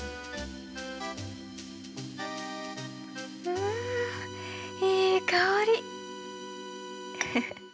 うんいい香り。